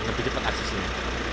lebih cepat aksesnya